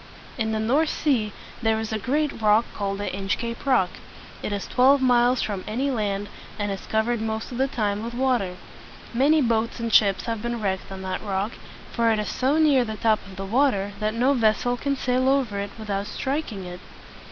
In the North Sea there is a great rock called the Inch cape Rock. It is twelve miles from any land, and is covered most of the time with water. Many boats and ships have been wrecked on that rock; for it is so near the top of the water that no vessel can sail over it without striking it.